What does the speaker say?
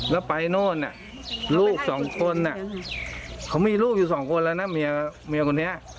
แล้วไปโน่นลูกสองคนเขามีลูกอยู่สองคนแล้วนะเมียคนนี้